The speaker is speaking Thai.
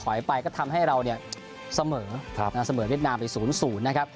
ไปก็ทำให้เราเนี่ยเสมอเสมอเวียดนามไป๐๐นะครับ